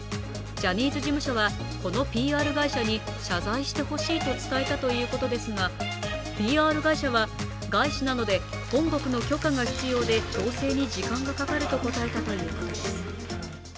ジャニーズ事務所はこのＰＲ会社に謝罪してほしいと伝えたということですがＰＲ会社は、外資なので本国の許可が必要で調整に時間がかかると答えたということです。